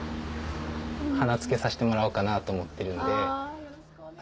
花つけさしてもらおうかなと思ってるんで。